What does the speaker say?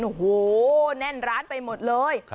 โอ้โหแน่นร้านไปหมดเลย